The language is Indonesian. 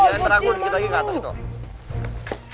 jangan terangkut lagi ke atas kok